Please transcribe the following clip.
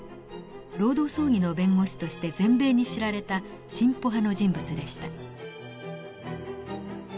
労働争議の弁護士として全米に知られた進歩派の人物でした。